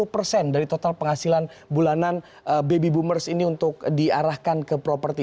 lima puluh persen dari total penghasilan bulanan baby boomers ini untuk diarahkan ke properti